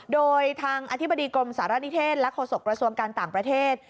โดยทางอธิบดีกรมสารณิเทศและโฆษกระทรวงการต่างประเทศ